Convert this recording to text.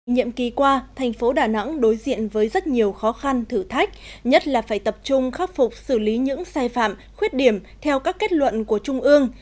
nhiệm kỳ qua thành phố đà nẵng đối diện với rất nhiều khó khăn thử thách nhất là phải tập trung khắc phục xử lý những sai phạm khuyết điểm theo các kết luận của trung ương